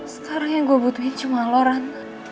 sekarang yang gue butuhin cuma lo ran